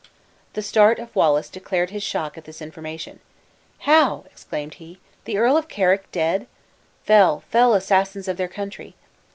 The start of Wallace declared his shock at this information. "How?" exclaimed he, "The Earl of Carrick dead? Fell, fell assassins of their country!"